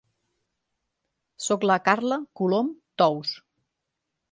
Soc la Carla Colom Tous.